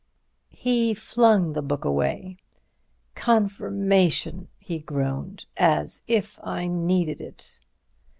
He flung the book away. "Confirmation!" he groaned. "As if I needed it!"